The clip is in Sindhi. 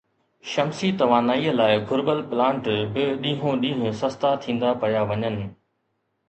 شمسي توانائي لاءِ گھربل پلانٽ به ڏينهون ڏينهن سستا ٿيندا پيا وڃن